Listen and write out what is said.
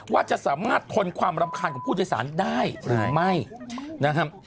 ว่าจะสามารถทนความรำคาญของผู้โดยสารได้หรือไม่นะครับ